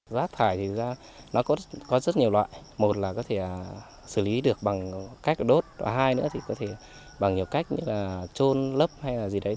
rác thải có rất nhiều loại một là có thể xử lý được bằng cách đốt hai nữa là có thể bằng nhiều cách như trôn lấp hay gì đấy